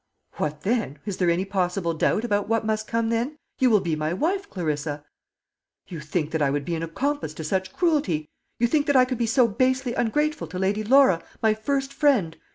"What then? Is there any possible doubt about what must come then? You will be my wife, Clarissa!" "You think that I would be an accomplice to such cruelty? You think that I could be so basely ungrateful to Lady Laura, my first friend?